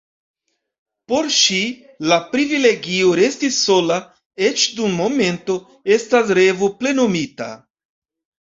Por ŝi, la privilegio resti sola, eĉ dum momento, estas revo plenumita.